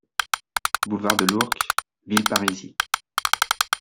Boulevard de l'Ourcq, Villeparisis